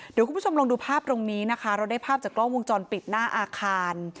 เดี๋ยวคุณผู้ชมลองดูภาพตรงนี้นะคะเราได้ภาพจากกล้องวงจรปิดหน้าอาคาร